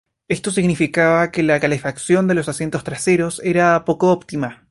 Esto significaba que la calefacción en los asientos traseros era poco óptima.